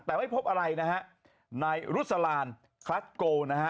แต่ไม่พบอะไรนะฮะนายรุษลานคลัสโกนะฮะ